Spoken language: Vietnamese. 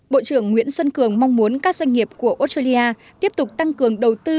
bộ trưởng nguyễn xuân cường mong muốn các doanh nghiệp của australia tiếp tục tăng cường đầu tư